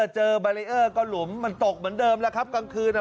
แบรีเออร์ก็หลุมมันตกเหมือนเดิมแล้วครับกลางคืนอ่ะ